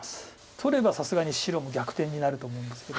取ればさすがに白も逆転になると思いますけど。